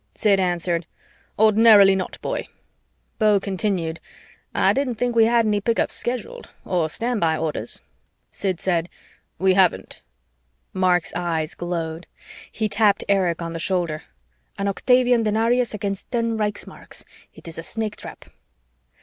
Sid answered, "Ordinarily not, boy." Beau continued, "I didn't think we had any pick ups scheduled. Or stand by orders." Sid said, "We haven't." Mark's eyes glowed. He tapped Erich on the shoulder. "An octavian denarius against ten Reichsmarks it is a Snake trap."